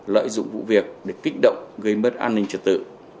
lợi dụng vụ việc để kích động gây mất an ninh trật tự